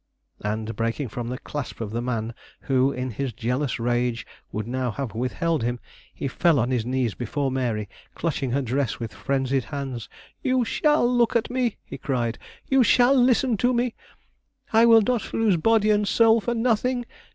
And, breaking from the clasp of the man who in his jealous rage would now have withheld him, he fell on his knees before Mary, clutching her dress with frenzied hands. "You shall look at me," he cried; "you shall listen to me! I will not lose body and soul for nothing.